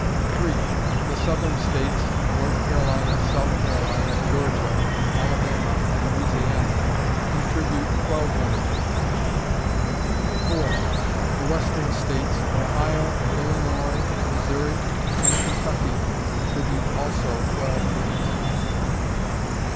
3. The Southern States, North Carolina, South Carolina, Georgia, Alabama, and Louisiana, contribute twelve women. 4. The Western States, Ohio, Illinois, Missouri, and Kentucky, contribute also twelve women.